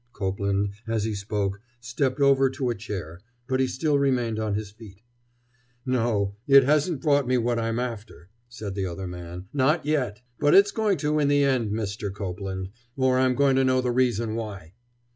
Copeland, as he spoke, stepped over to a chair, but he still remained on his feet. "No, it hasn't brought me what I'm after," said the other man. "Not yet! But it's going to, in the end, Mr. Copeland, or I'm going to know the reason why!"